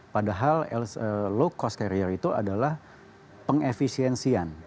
padahal low cost carrier itu adalah pengefisiensian